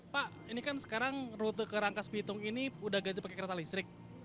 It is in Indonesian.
pak ini kan sekarang rute ke rangkas bitung ini udah ganti pakai kereta listrik